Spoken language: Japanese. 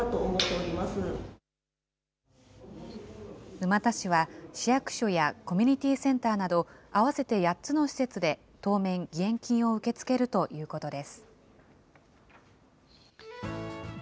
沼田市は、市役所やコミュニティーセンターなど合わせて８つの施設で当面、義援金を受け付けるということです。